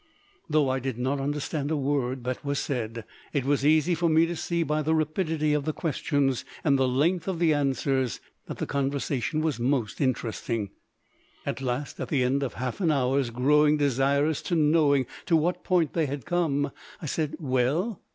Though I did not understand a word that was said, it was easy for me to see, by the rapidity of the questions and the length of the answers, that the conversation was most interesting. At last, at the end of half an hours growing desirous of knowing to what point they had come, I said, "Well?"